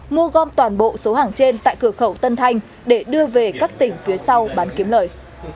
mua gom toàn bộ số hàng trên tại cửa khẩu tân thanh để đưa về các tỉnh phía sau bán kiếm lời